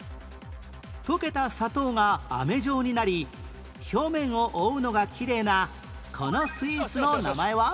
溶けた砂糖が飴状になり表面を覆うのがきれいなこのスイーツの名前は？